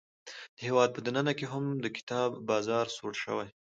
د هیواد په دننه کې هم د کتاب بازار سوړ شوی.